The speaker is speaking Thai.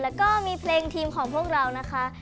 แล้วก็มีเพลงทีมของพวกเรานะคะ